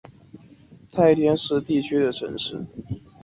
太田市地区的城市。